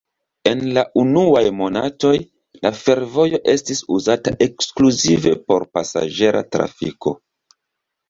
En la unuaj monatoj, la fervojo estis uzata ekskluzive por pasaĝera trafiko.